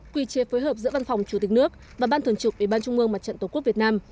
quy chế phối hợp giữa văn phòng chủ tịch nước và ban thường trục ủy ban trung mương mặt trận tổ quốc việt nam